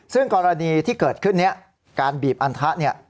ซึ่งกรณีที่เกิดขึ้นนี้การบีบอันทะเนี่ย